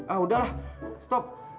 ah udahlah stop